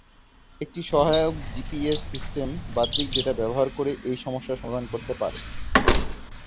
একটি সহায়ক GPS system বাহ্যিক ডেটা ব্যবহার করে এই সমস্যা সমাধান করতে পারে।